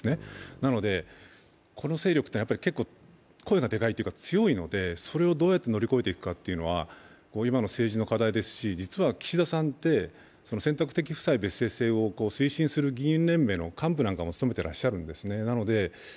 なのでこの勢力というのは結構声がでかいというか強いのでそれをどうやって乗り越えていくのかは今の政治の課題ですし、実は岸田さんって、選択的夫妻別姓制も推進する議員連盟の幹部なんかも務めてらっしゃるんですね。